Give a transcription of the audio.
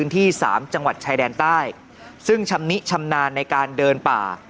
ที่๓จังหวัดชายแดนใต้ซึ่งชำนิชำนาญในการเดินป่า